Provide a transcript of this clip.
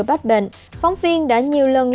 bắt bệnh phóng viên đã nhiều lần